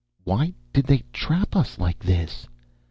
"Why did they trap us like this?"